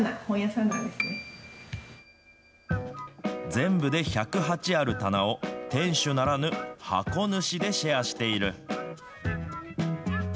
全部で１０８ある棚を店主ならぬ箱主でシェアしている。